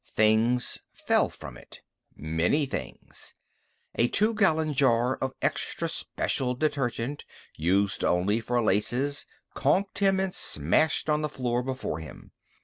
Things fell from it. Many things. A two gallon jar of extra special detergent, used only for laces, conked him and smashed on the floor before him.